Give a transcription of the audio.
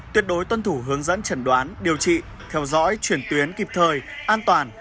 tuyệt đối tuân thủ hướng dẫn trần đoán điều trị theo dõi chuyển tuyến kịp thời an toàn